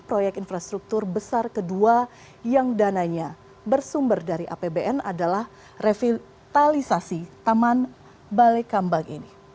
proyek infrastruktur besar kedua yang dananya bersumber dari apbn adalah revitalisasi taman balekambang